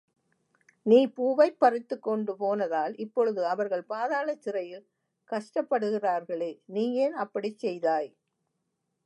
நீ பூவைப் பறித்துக்கொண்டு போனதால் இப் பொழுது அவர்கள் பாதாளச் சிறையில் கஷ்டப்படுகிறார்களே நீயேன் அப்படிச் செய்தாய்?